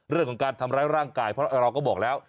เรื่องของการทำร้ายร่างกายเพราะเราก็บอกแล้ว